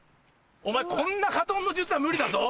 お前こんな火の術は無理だぞ？